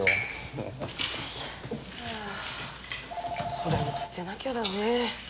☎それも捨てなきゃだね。